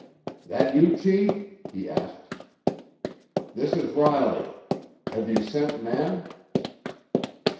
"That you, chief?" he asked. "This is Riley? Have you sent men?